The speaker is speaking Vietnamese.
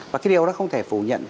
và cái điều đó không thể phủ nhận